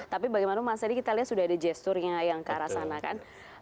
tapi bagaimana mas edi kita lihat sudah ada gesturnya yang ke arah sana kan